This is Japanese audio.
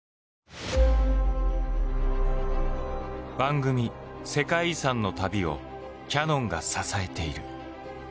番組「世界遺産」の旅をキヤノンが支えている。